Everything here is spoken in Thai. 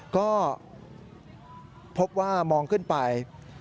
ก็พบว่ามองขึ้นไป